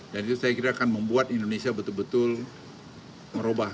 dan itu saya kira akan membuat indonesia betul betul merubah